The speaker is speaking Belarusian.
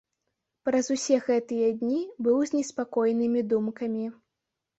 Праз усе гэтыя дні быў з неспакойнымі думкамі.